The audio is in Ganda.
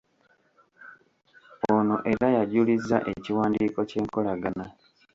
Ono era yajulizza ekiwandiiko ky’enkolagana.